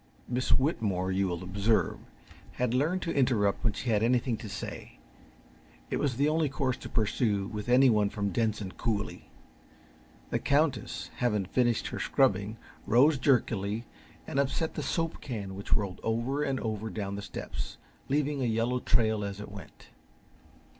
Miss Whitmore, you will observe, had learned to interrupt when she had anything to say. It was the only course to pursue with anyone from Denson coulee. The Countess, having finished her scrubbing, rose jerkily and upset the soap can, which rolled over and over down the steps, leaving a yellow trail as it went.